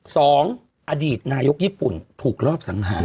สองอดีตนายกญี่ปุ่นถูกรอบสังหาร